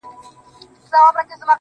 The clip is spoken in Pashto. لټ پر لټ اوړمه د شپې، هغه چي بيا ياديږي